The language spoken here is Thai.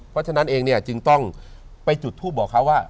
เพราะฉะนั้นเองจึงต้องไปจุดทูปบอกเช่นเขาว่า